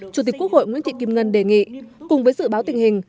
chủ tịch quốc hội nguyễn thị kim ngân đề nghị cùng với dự báo tình hình